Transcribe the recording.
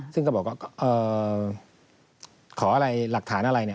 ซึ่งก็บอกขออะไรหลักฐานอะไร